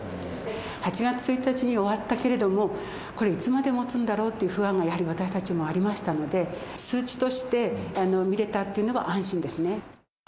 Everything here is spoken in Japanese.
８月１日に終わったけれども、これ、いつまでもつんだろうという不安がやはり私たちもありましたので、数値として見れたっていうのは安心ですね。